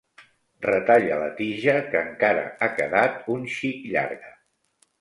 Retalla la tija, que encara ha quedat un xic llarga.